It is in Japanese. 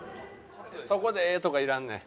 そこで「えっ！？」とかいらんねん。